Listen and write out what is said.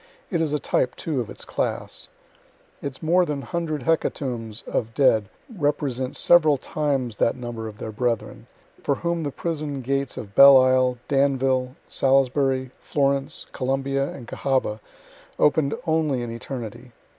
It is a type, too, of its class. Its more than hundred hecatombs of dead represent several times that number of their brethren, for whom the prison gates of Belle Isle, Danville, Salisbury, Florence, Columbia, and Cahaba open'd only in eternity.